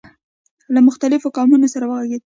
له مختلفو قومونو سره وغږېد.